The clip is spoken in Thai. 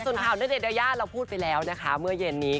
ส่วนข่าวณเดชนยายาเราพูดไปแล้วนะคะเมื่อเย็นนี้